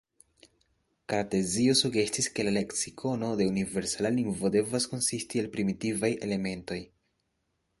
Kartezio sugestis ke la leksikono de universala lingvo devas konsisti el primitivaj elementoj.